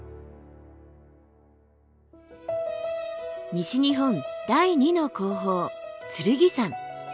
西日本第２の高峰剣山。